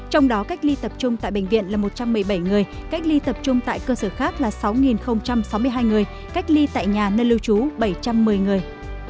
trong đó cách ly tập trung tại bệnh viện là một trăm một mươi bảy người cách ly tập trung tại cơ sở khác là sáu sáu mươi hai người cách ly tại nhà nơi lưu trú bảy trăm một mươi người